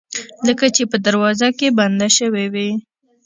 لکه چې په دروازه کې بنده شوې وي